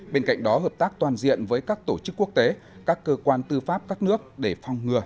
bên cạnh đó hợp tác toàn diện với các tổ chức quốc tế các cơ quan tư pháp các nước để phong ngừa